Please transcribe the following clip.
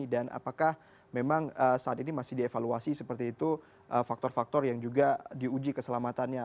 dan apakah memang saat ini masih dievaluasi seperti itu faktor faktor yang juga diuji keselamatannya